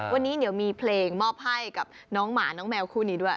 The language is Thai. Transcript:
วันนี้เดี๋ยวมีเพลงมอบให้กับน้องหมาน้องแมวคู่นี้ด้วย